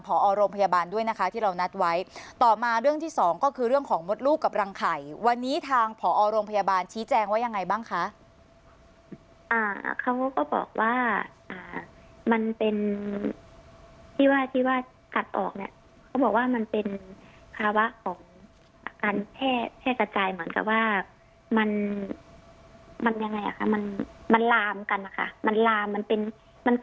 พอโรงพยาบาลด้วยนะคะที่เรานัดไว้ต่อมาเรื่องที่สองก็คือเรื่องของมดลูกกับรังไข่วันนี้ทางผอโรงพยาบาลชี้แจงว่ายังไงบ้างคะอ่าเขาก็บอกว่าอ่ามันเป็นที่ว่าที่ว่ากัดออกเนี่ยเขาบอกว่ามันเป็นภาวะของอาการแพร่แพร่กระจายเหมือนกับว่ามันมันยังไงอ่ะค่ะมันมันลามกันนะคะมันลามมันเป็นมัน